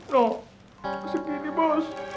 nuh segini bos